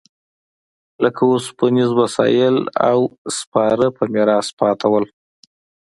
لکه اوسپنیز وسایل او سپاره په میراث پاتې و